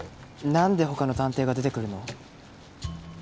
なんで他の探偵が出てくるの？